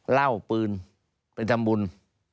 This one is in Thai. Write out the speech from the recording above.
เหล้าปืนไปทำบุญ